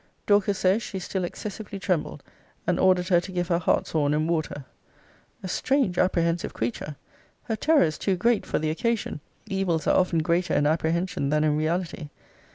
Dorcas says, she still excessively trembled; and ordered her to give her hartshorn and water. A strange apprehensive creature! Her terror is too great for the occasion. Evils are often greater in apprehension than in reality.